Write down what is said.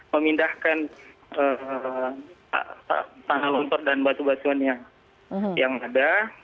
memindahkan tanah longsor dan batu batuan yang ada